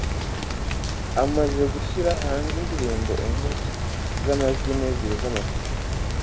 amaze gushyira hanze indirimbo enyez'amajwi n'ebyiri z'amashusho